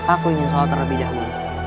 aku ingin sholat terlebih dahulu